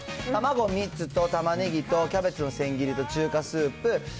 卵３つとたまねぎとキャベツの千切りと中華スープ。